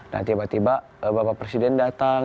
nah tiba tiba bapak presiden datang